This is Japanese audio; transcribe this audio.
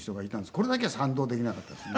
これだけは賛同できなかったですね。